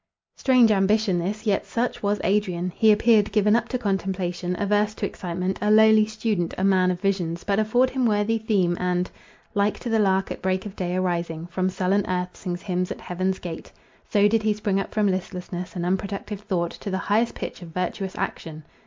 Strange ambition this! Yet such was Adrian. He appeared given up to contemplation, averse to excitement, a lowly student, a man of visions— but afford him worthy theme, and— Like to the lark at break of day arising, From sullen earth, sings hymns at heaven's gate. so did he spring up from listlessness and unproductive thought, to the highest pitch of virtuous action.